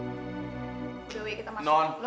udah wih kita masuk